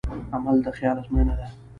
عمل د خیال ازموینه ده.